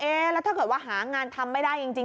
แล้วถ้าเกิดว่าหางานทำไม่ได้จริง